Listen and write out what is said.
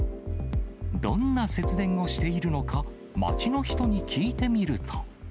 どんな節電をしているのか、街の人に聞いてみると。